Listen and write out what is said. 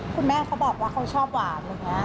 คุณแม่เขาบอกว่าเขาชอบหวานอะไรอย่างนี้